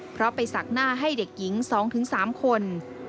เพราะไปศักดิ์หน้าให้เด็กหญิง๒๓คน